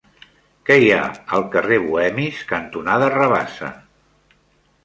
Què hi ha al carrer Bohemis cantonada Rabassa?